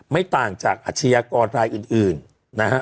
ไม่ต่างจากอาชญากรรายอื่นนะฮะ